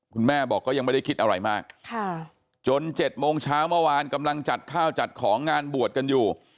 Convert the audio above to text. คุณแม่บอกก็ยังไม่ได้คิดอะไรมากจน๗โมงเช้าเมื่อวานกำลังจัดข้าวจัดของงานบวชกันอยู่